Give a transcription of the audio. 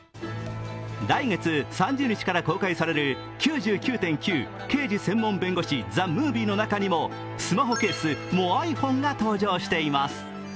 来月３０日から公開される「９９．９−刑事専門弁護士−ＴＨＥＭＯＶＩＥ」の中にもスマホケース、モアイフォンが登場しています。